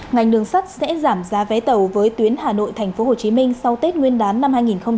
ngành đường sắt sẽ giảm giá vé tàu với tuyến hà nội tp hcm sau tết nguyên đán năm hai nghìn hai mươi